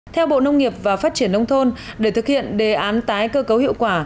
theo bộ nông nghiệp và phát triển nông thôn để thực hiện đề án tái cơ cấu hiệu quả